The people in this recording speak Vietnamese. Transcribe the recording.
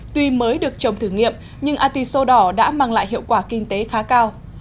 tuy mới được trồng thử nghiệm nhưng ati sô đỏ đã mang lại hiệu quả kinh tế khá cao